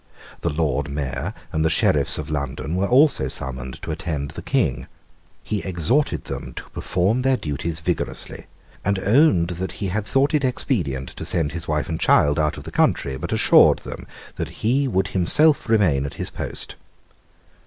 The Lord Mayor and the Sheriffs of London were also summoned to attend the King. He exhorted them to perform their duties vigorously, and owned that he had thought it expedient to send his wife and child out of the country, but assured them that he would himself remain at his post.